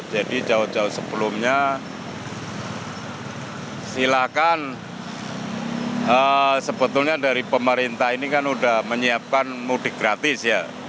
jauh jauh sebelumnya silakan sebetulnya dari pemerintah ini kan sudah menyiapkan mudik gratis ya